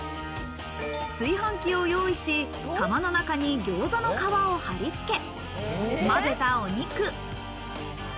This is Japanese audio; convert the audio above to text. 炊飯器を用意し、釜の中に餃子の皮をはりつけ、まぜたお肉。